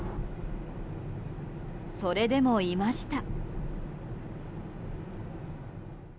それでもいました。